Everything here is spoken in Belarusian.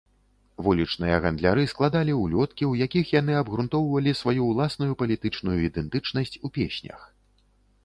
Вулічныя гандляры складалі ўлёткі, у якіх яны абгрунтоўвалі сваю ўласную палітычную ідэнтычнасць у песнях.